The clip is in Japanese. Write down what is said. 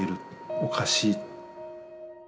おかしい。